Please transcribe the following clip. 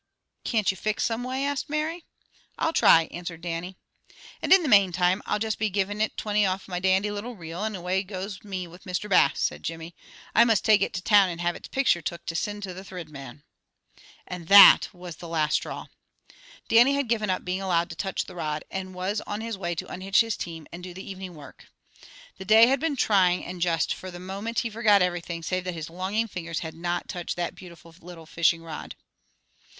"Can't you fix some way?" asked Mary. "I'll try," answered Dannie. "And in the manetime, I'd just be givin' it twinty off me dandy little reel, and away goes me with Mr. Bass," said Jimmy. "I must take it to town and have its picture took to sind the Thrid Man." And that was the last straw. Dannie had given up being allowed to touch the rod, and was on his way to unhitch his team and do the evening work. The day had been trying and just for the moment he forgot everything save that his longing fingers had not touched that beautiful little fishing rod.